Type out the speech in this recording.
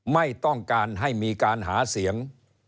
ไม่ต้องการให้มีการหาเสียง